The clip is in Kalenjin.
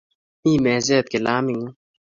Mi meset kilamit ng'ung'